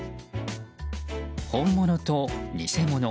本物と偽物。